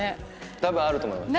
多分あると思います。